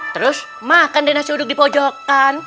terus makan deh nasi uduk di pojokan